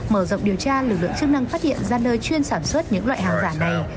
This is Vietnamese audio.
mở rộng điều tra lực lượng chức năng phát hiện ra nơi chuyên sản xuất những loại hàng giả này